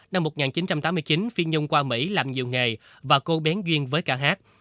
năm một nghìn chín trăm tám mươi chín phi nhung qua mỹ làm nhiều nghề và cô bén duyên với ca hát